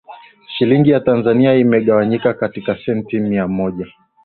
shilingi ya tanzania imegawanywa katika senti mia